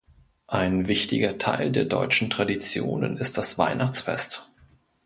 Ein wichtiger Teil der deutschen Traditionen ist das Weihnachtsfest.